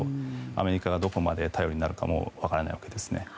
アメリカがどこまで頼りになるかもわからないわけですね。